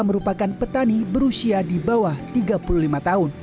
merupakan petani berusia di bawah tiga puluh lima tahun